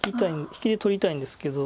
引きで取りたいんですけど。